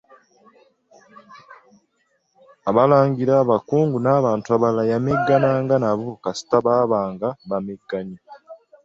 Abalangira, abakungu n'abantu abalala yameggananga nabo kasita baabanga abamegganyi.